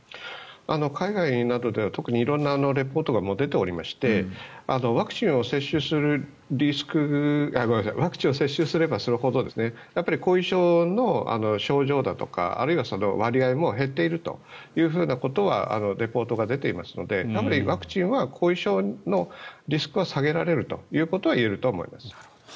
海外などでは特に色んなリポートが出ておりましてワクチンを接種すればするほど後遺症の症状だとかあるいは割合も減っているということはリポートが出ていますのでワクチンは後遺症のリスクは下げられるということは言えると思います。